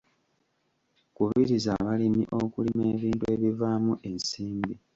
Kubiriza abalimi okulima ebintu ebivaamu ensimbi.